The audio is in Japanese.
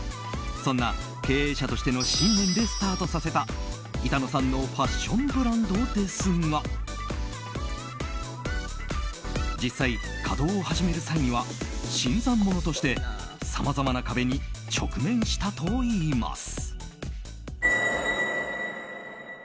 そんな経営者としての信念でスタートさせた板野さんのファッションブランドですが実際、稼働を始める際には新参者としてさまざまな壁に直面したといいます。